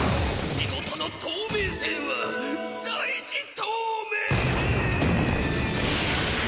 仕事の透明性は大事トウメイ！